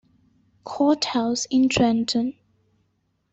Courthouse in Trenton.